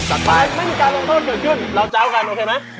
สักท้ายไม่มีการลงโทษเกิดขึ้นราวเจ้ากันโอเคไหม